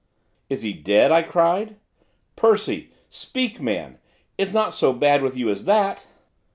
'Is he dead?' I cried. 'Percy! speak, man! it's not so bad with you as that!